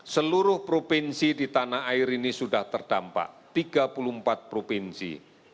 seluruh provinsi di tanah air ini sudah terdampak tiga puluh empat provinsi